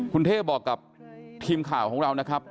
คุณเท่บอกกับทีมข่าวของเรานะครับ